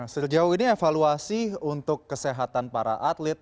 sejauh ini evaluasi untuk kesehatan para atlet